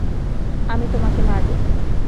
আমি তোমাকে মারব।